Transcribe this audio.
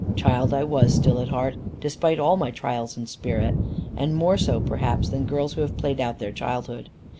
Child I was still at heart, despite all my trials and spirit; and more so perhaps than girls who have played out their childhood.